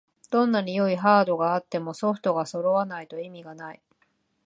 どんなに良いハードがあってもソフトがそろわないと意味がない